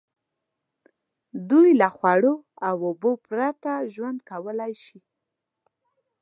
دوی له خوړو او اوبو پرته ژوند کولای شي.